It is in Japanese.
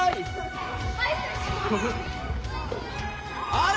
あれ？